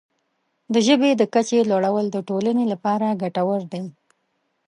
د ژبې د کچې لوړول د ټولنې لپاره ګټور دی.